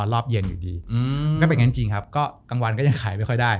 ก็เป็นแรงจริงครับกลางวันก็ยังให้ไม่ค่อยได้